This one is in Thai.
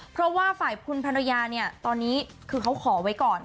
เพราะว่าฝ่ายคุณภรรยาเนี่ยตอนนี้คือเขาขอไว้ก่อน